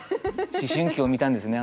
思春期を見たんですね